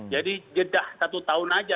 jadi jedah satu tahun aja